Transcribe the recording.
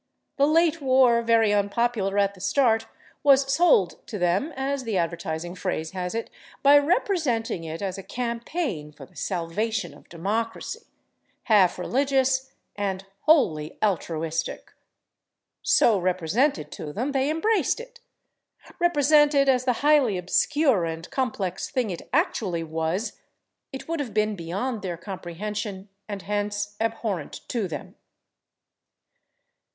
The late war, very unpopular at the start, was "sold" to them, as the advertising phrase has it, by representing it as a campaign for the salvation of democracy, half religious and wholly altruistic. So represented to them, they embraced it; represented as the highly obscure and complex thing it actually was, it would have been beyond their comprehension, and hence abhorrent to them.